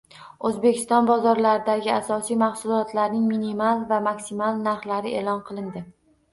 O‘zbekiston bozorlaridagi asosiy mahsulotlarning minimal va maksimal narxlari e’lon qilindi